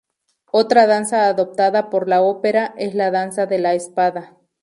Otra danza adoptada por la ópera es la danza de la espada.